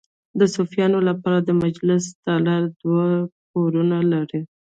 د صوفیانو لپاره د مجلس تالار دوه پوړونه لري.